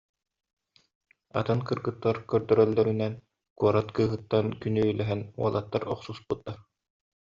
Атын кыргыттар көрдөрөллөрүнэн, куорат кыыһыттан күнүүлэһэн уолаттар охсуспуттар